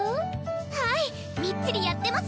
はいみっちりやってます！